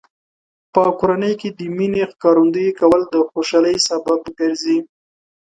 په کورنۍ کې د مینې ښکارندوی کول د خوشحالۍ سبب ګرځي.